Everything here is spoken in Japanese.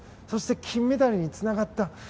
そして金メダルにつながった。